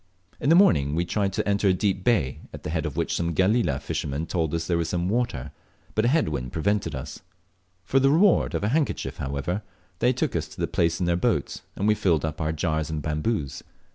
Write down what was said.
In the morning we tried to enter a deep bay, at the head of which some Galela fishermen told us there was water, but a head wind prevented us. For the reward of a handkerchief, however, they took us to the place in their boat, and we filled up our jars and bamboos.